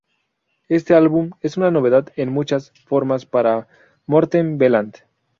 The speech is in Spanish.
Este álbum es una novedad en muchas formas para Morten Veland.